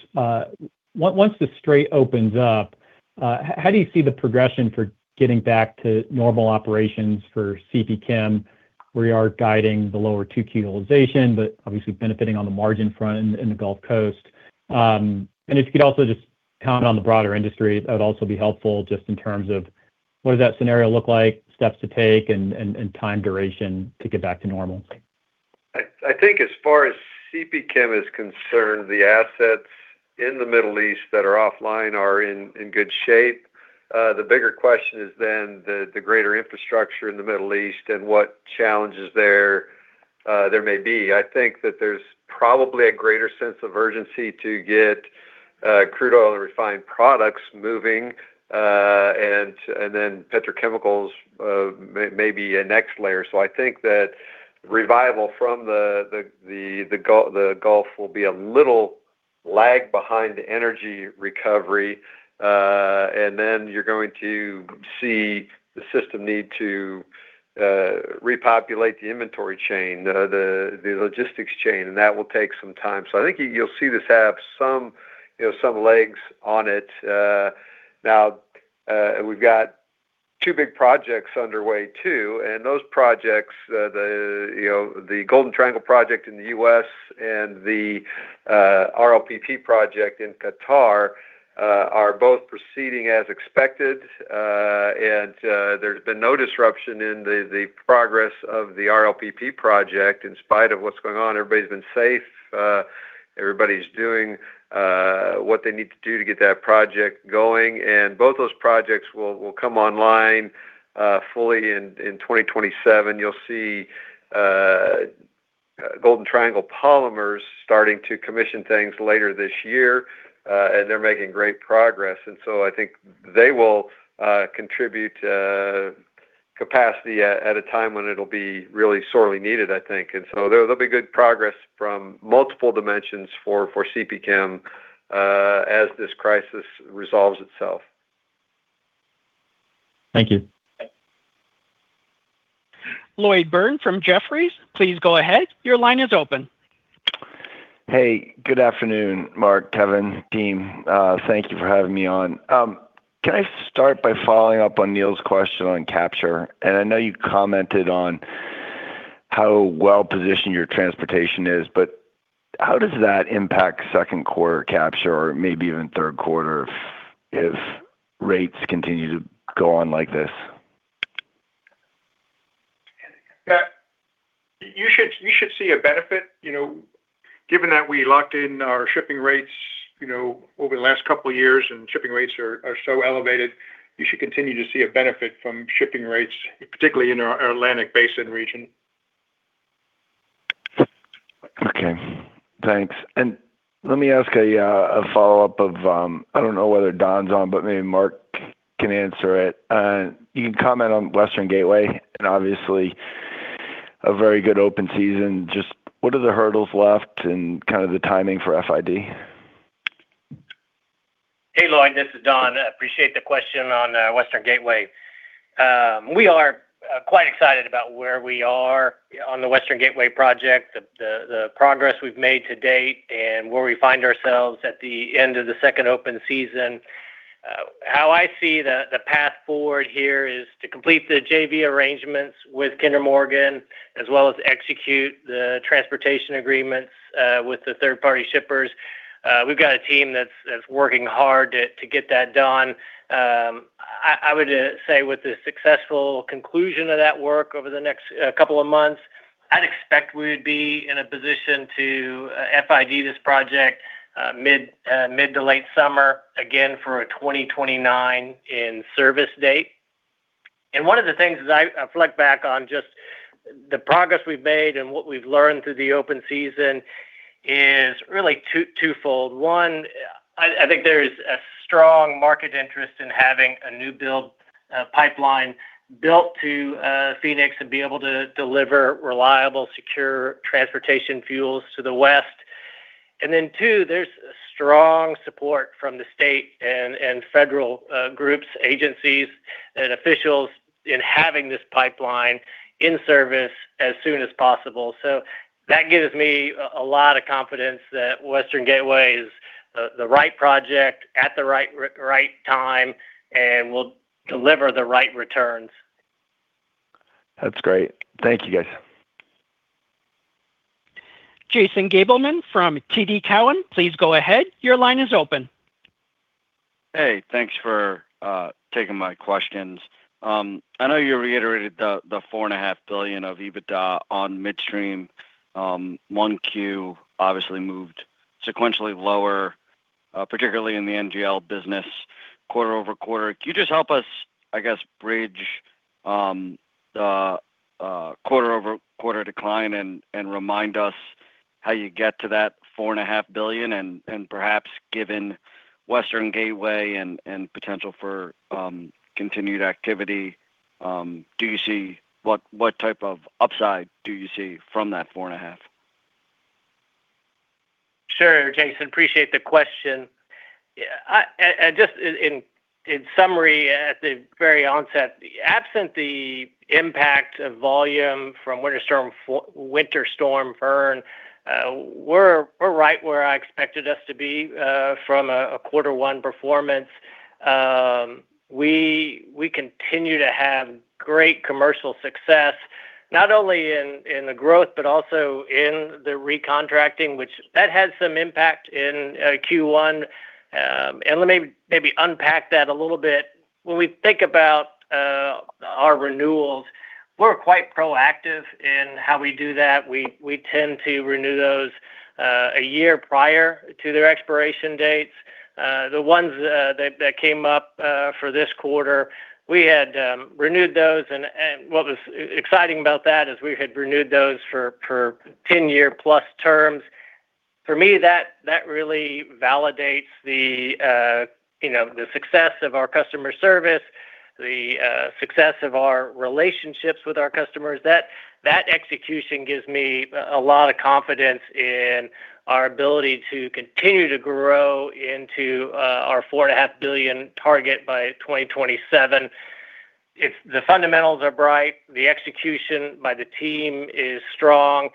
once the Strait opens up, how do you see the progression for getting back to normal operations for CPChem where you are guiding the lower 2Q utilization, but obviously benefiting on the margin front in the Gulf Coast? If you could also just comment on the broader industry, that would also be helpful just in terms of what does that scenario look like, steps to take and time duration to get back to normal. I think as far as CPChem is concerned, the assets in the Middle East that are offline are in good shape. The bigger question is then the greater infrastructure in the Middle East and what challenges there, there may be. I think that there's probably a greater sense of urgency to get crude oil and refined products moving, and then petrochemicals may be a next layer. I think that revival from the Gulf will be a little lag behind the energy recovery. And then you're going to see the system need to repopulate the inventory chain, the logistics chain, and that will take some time. I think you'll see this have some, you know, some legs on it. Now, we've got two big projects underway too, those projects, you know, the Golden Triangle project in the U.S. and the RLPP project in Qatar, are both proceeding as expected. There's been no disruption in the progress of the RLPP project in spite of what's going on. Everybody's been safe. Everybody's doing what they need to do to get that project going. Both those projects will come online fully in 2027. You'll see Golden Triangle Polymers starting to commission things later this year, they're making great progress. I think they will contribute capacity at a time when it'll be really sorely needed, I think. There, there'll be good progress from multiple dimensions for CPChem, as this crisis resolves itself. Thank you. Okay. Lloyd Byrne from Jefferies, please go ahead. Your line is open. Hey, good afternoon, Mark, Kevin, team. Thank you for having me on. Can I start by following up on Neil's question on capture? I know you commented on how well-positioned your transportation is, but how does that impact second quarter capture or maybe even third quarter if rates continue to go on like this? Yeah. You should see a benefit. You know, given that we locked in our shipping rates, you know, over the last couple of years and shipping rates are so elevated, you should continue to see a benefit from shipping rates, particularly in our Atlantic Basin region. Okay. Thanks. Let me ask a follow-up of, I don't know whether Don's on, but maybe Mark can answer it. You can comment on Western Gateway and obviously a very good open season. Just what are the hurdles left and kind of the timing for FID? Hey, Lloyd, this is Don. I appreciate the question on Western Gateway. We are quite excited about where we are on the Western Gateway project, the progress we've made to date and where we find ourselves at the end of the second open season. How I see the path forward here is to complete the JV arrangements with Kinder Morgan, as well as execute the transportation agreements with the third-party shippers. We've got a team that's working hard to get that done. I would say, with the successful conclusion of that work over the next couple of months, I'd expect we would be in a position to FID this project mid to late summer, again for a 2029 in service date. One of the things as I reflect back on just the progress we've made and what we've learned through the open season is really twofold. One, I think there is a strong market interest in having a new build pipeline built to Phoenix and be able to deliver reliable, secure transportation fuels to the West. Two, there's strong support from the state and federal groups, agencies and officials in having this pipeline in service as soon as possible. That gives me a lot of confidence that Western Gateway is the right project at the right time and will deliver the right returns. That's great. Thank you guys. Jason Gabelman from TD Cowen, please go ahead. Your line is open. Hey, thanks for taking my questions. I know you reiterated the $4.5 billion of EBITDA on midstream. 1Q obviously moved sequentially lower, particularly in the NGL business quarter-over-quarter. Can you just help us, I guess, bridge the quarter-over-quarter decline and remind us how you get to that $4.5 billion? Perhaps given Western Gateway and potential for continued activity, what type of upside do you see from that $4.5 billion? Sure, Jason, appreciate the question. Just in summary, at the very onset, absent the impact of volume from Winter Storm Fern, we're right where I expected us to be from a Q1 performance. We continue to have great commercial success not only in the growth but also in the recontracting, which that has some impact in Q1. Let me maybe unpack that a little bit. When we think about our renewals, we're quite proactive in how we do that. We tend to renew those a year prior to their expiration dates. The ones that came up for this quarter, we had renewed those. What was exciting about that is we had renewed those for 10-year plus terms. For me, that really validates the, you know, the success of our customer service, the success of our relationships with our customers. That execution gives me a lot of confidence in our ability to continue to grow into our $4.5 billion target by 2027. The fundamentals are bright. The execution by the team is strong.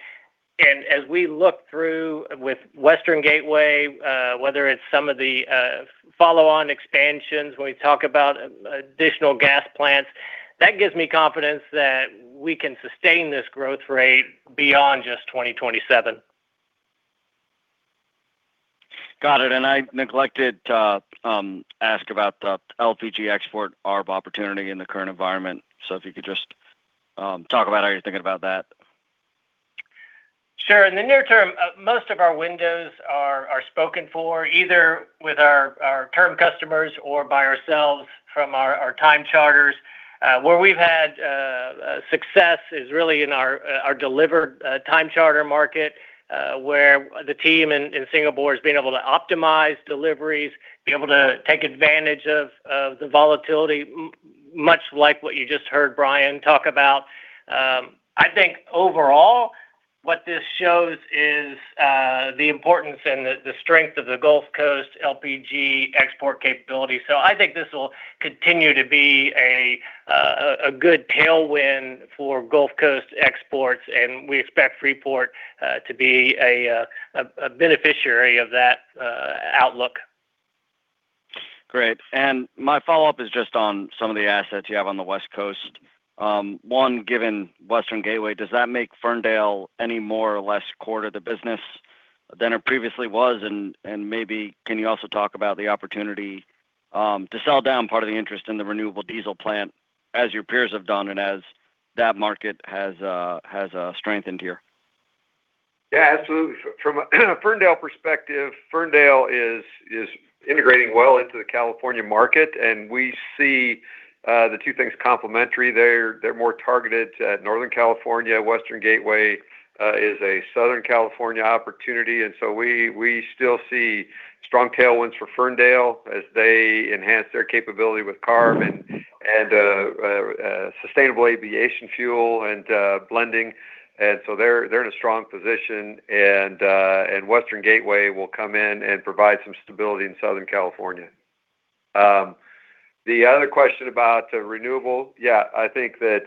As we look through with Western Gateway, whether it's some of the follow-on expansions, when we talk about additional gas plants, that gives me confidence that we can sustain this growth rate beyond just 2027. Got it. I neglected to ask about the LPG export arb opportunity in the current environment. If you could just talk about how you're thinking about that. Sure. In the near term, most of our windows are spoken for either with our term customers or by ourselves from our time charters. Where we've had success is really in our delivered time charter market, where the team in Singapore is being able to optimize deliveries, be able to take advantage of the volatility, much like what you just heard Brian talk about. I think overall, what this shows is the importance and the strength of the Gulf Coast LPG export capability. I think this will continue to be a good tailwind for Gulf Coast exports, and we expect Freeport to be a beneficiary of that outlook. Great. My follow-up is just on some of the assets you have on the West Coast. One, given Western Gateway, does that make Ferndale any more or less core to the business than it previously was? And maybe, can you also talk about the opportunity to sell down part of the interest in the renewable diesel plant as your peers have done and as that market has strengthened here? Absolutely. From a Ferndale perspective, Ferndale is integrating well into the California market, and we see the two things complementary. They're more targeted to Northern California. Western Gateway is a Southern California opportunity. We still see strong tailwinds for Ferndale as they enhance their capability with CARB and sustainable aviation fuel and blending. They're in a strong position. Western Gateway will come in and provide some stability in Southern California. The other question about renewable, I think that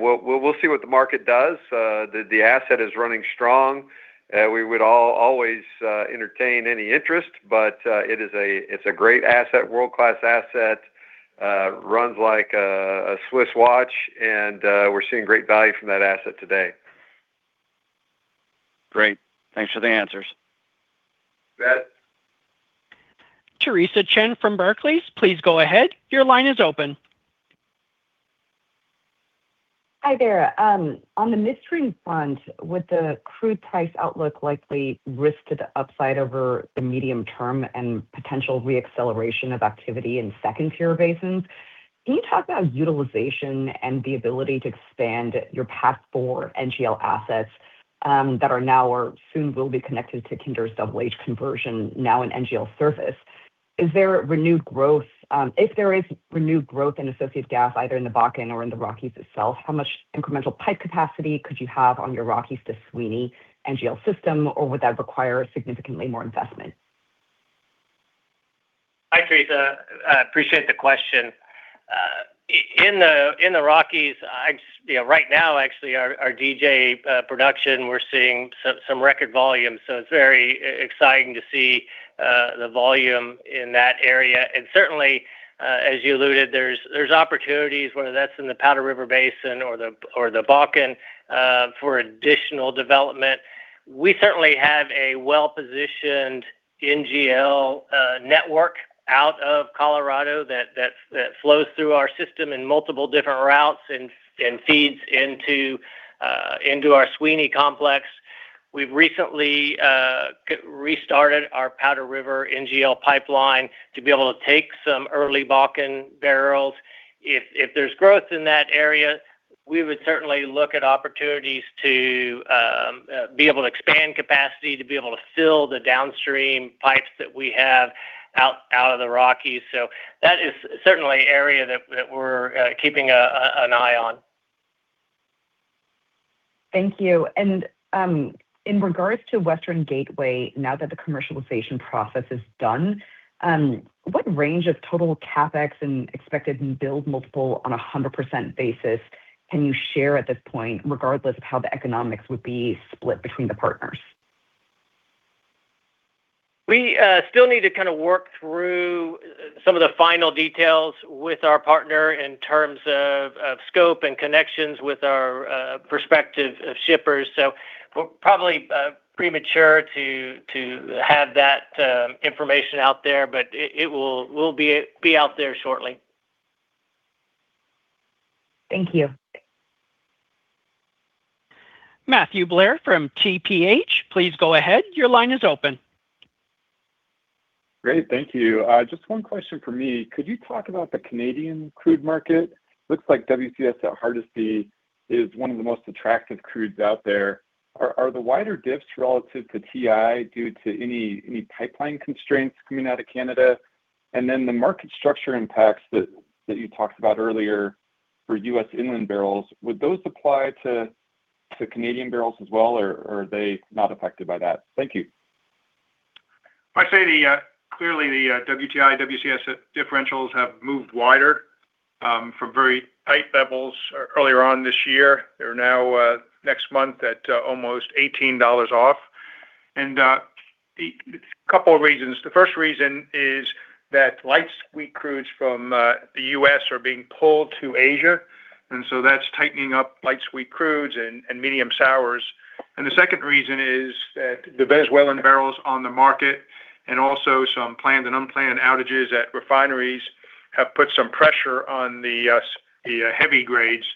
we'll see what the market does. The asset is running strong. We would always entertain any interest, but it is a great asset, world-class asset. Runs like a Swiss watch and we're seeing great value from that asset today. Great. Thanks for the answers. You bet. Theresa Chen from Barclays, please go ahead. Your line is open. Hi there. On the midstream front, with the crude price outlook likely risk to the upside over the medium term and potential re-acceleration of activity in second-tier basins, can you talk about utilization and the ability to expand your passport NGL assets, that are now or soon will be connected to Kinder's Double H conversion now in NGL service? Is there renewed growth? If there is renewed growth in associate gas either in the Bakken or in the Rockies itself, how much incremental pipe capacity could you have on your Rockies to Sweeny NGL system, or would that require significantly more investment? Hi, Theresa. I appreciate the question. You know, in the Rockies, right now actually our DJ production, we're seeing some record volume, so it's very exciting to see the volume in that area. Certainly, as you alluded, there's opportunities, whether that's in the Powder River Basin or the Bakken, for additional development. We certainly have a well-positioned NGL network out of Colorado that flows through our system in multiple different routes and feeds into our Sweeny Complex. We've recently restarted our Powder River NGL pipeline to be able to take some early Bakken barrels. If there's growth in that area, we would certainly look at opportunities to be able to expand capacity, to be able to fill the downstream pipes that we have out of the Rockies. That is certainly an area that we're keeping an eye on. Thank you. In regards to Western Gateway, now that the commercialization process is done, what range of total CapEx and expected build multiple on a 100% basis can you share at this point, regardless of how the economics would be split between the partners? We still need to kind of work through some of the final details with our partner in terms of scope and connections with our perspective of shippers. We're probably premature to have that information out there, but it will be out there shortly. Thank you. Matthew Blair from TPH, please go ahead. Your line is open. Great. Thank you. Just one question from me. Could you talk about the Canadian crude market? Looks like WCS at Hardisty is one of the most attractive crudes out there. Are the wider dips relative to WTI due to any pipeline constraints coming out of Canada? The market structure impacts that you talked about earlier for U.S. inland barrels, would those apply to Canadian barrels as well, or are they not affected by that? Thank you. I'd say the clearly, the WTI, WCS differentials have moved wider from very tight levels earlier on this year. They're now next month at almost $18 off. A couple of reasons. The first reason is that light sweet crudes from the U.S. are being pulled to Asia, so that's tightening up light sweet crudes and medium sours. The second reason is that the Venezuelan barrels on the market and also some planned and unplanned outages at refineries have put some pressure on the heavy grades.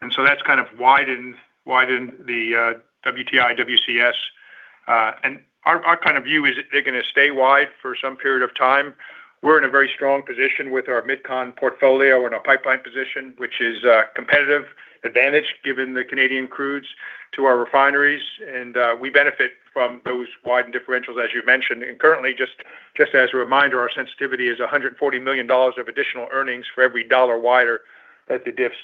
That's kind of widened the WTI, WCS. Our kind of view is they're gonna stay wide for some period of time. We're in a very strong position with our Mid-Con portfolio and our pipeline position, which is a competitive advantage given the Canadian crudes to our refineries, and we benefit from those widened differentials, as you mentioned. Currently, just as a reminder, our sensitivity is $140 million of additional earnings for every $1 wider that the diffs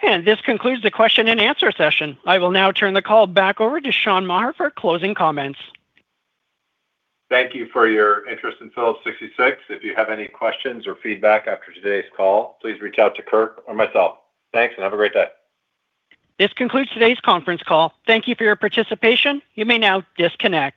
become. This concludes the question-and-answer session. I will now turn the call back over to Sean Maher for closing comments. Thank you for your interest in Phillips 66. If you have any questions or feedback after today's call, please reach out to Kirk or myself. Thanks, and have a great day. This concludes today's conference call. Thank you for your participation. You may now disconnect.